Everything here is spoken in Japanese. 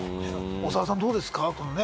長田さんどうですか？